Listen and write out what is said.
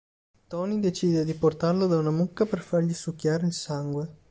Tony decide di portarlo da una mucca per fargli succhiare il sangue.